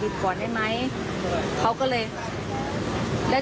บินก่อนได้ไหมเขาก็เลย